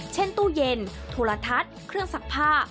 เช่นตู้เย็นธุระทัศน์เครื่องศักดิ์ผ้า